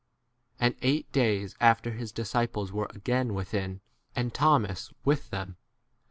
adds 'Thomas.' eight days after his disciples were again within, and Thomas with them.